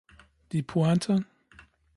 Die Pointe.